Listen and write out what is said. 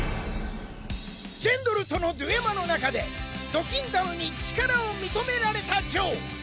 ジェンドルとのデュエマのなかでドキンダムに力を認められたジョー。